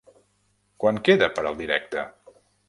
Quant queda, per al directe?